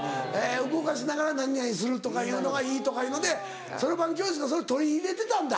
動かしながら何々するとかいうのがいいとかいうのでそろばん教室がそれ取り入れてたんだ。